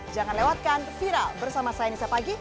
jangan lewatkan viral bersama saya nisa pagi